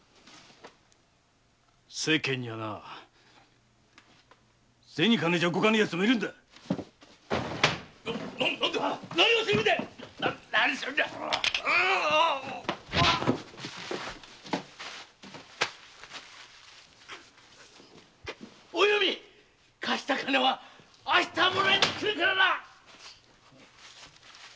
世間にはなゼニ金じゃ動かねぇやつも居るんだな何をするんだお弓貸した金は明日もらいに来るからな